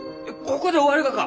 ここで終わるがか！？